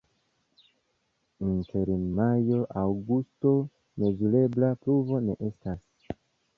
Inter majo-aŭgusto mezurebla pluvo ne estas.